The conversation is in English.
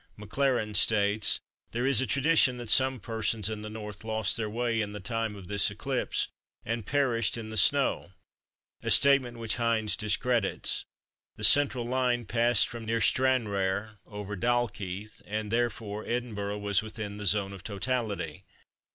Maclaurin states:—"There is a tradition that some persons in the North lost their way in the time of this eclipse, and perished in the snow"—a statement which Hind discredits. The central line passed from near Stranraer, over Dalkeith, and therefore Edinburgh was within the zone of totality.